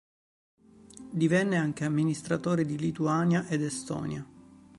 Divenne anche amministratore di Lituania ed Estonia.